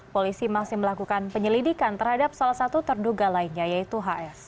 polisi masih melakukan penyelidikan terhadap salah satu terduga lainnya yaitu hs